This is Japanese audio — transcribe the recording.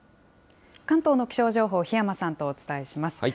関東の気象情報、檜山さんとお伝えします。